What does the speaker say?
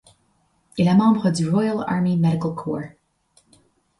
Il est membre du Royal Army Medical Corps.